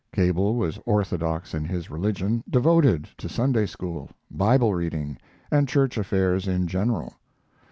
Cable was orthodox in his religion, devoted to Sunday school, Bible reading, and church affairs in general.